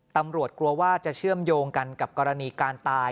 ตำรวจกลัวว่าจะเชื่อมโยงกันกับกรณีการตาย